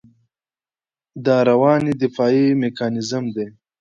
دا رواني دفاعي میکانیزم دی.